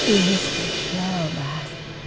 ibu segera bas